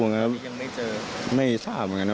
ยังไม่เจอไม่ทราบเหมือนกันนะ